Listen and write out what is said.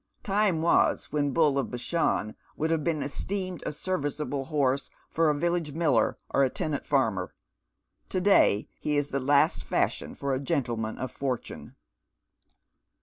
Time was when Bull of bashan would have been esteemed a serviceable horse for 9 Hcceived hy the Cottnttj. 141 viflag© miller, or a tenSKt; farmer. To day he is the last fashion for a gentleman of fortune.